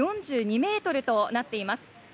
４２ｍとなっています。